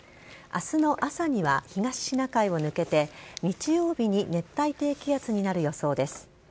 明日の朝には東シナ海を抜けて日曜日に熱帯低気圧になる予想です。